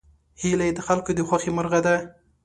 هیلۍ د خلکو د خوښې مرغه ده